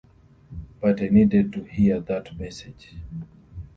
But I needed to hear that message.